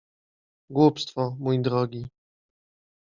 — Głupstwo, mój drogi.